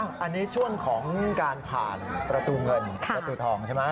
อันนี้ช่วงของการผ่านประตูเงินประตูทองใช่ไหม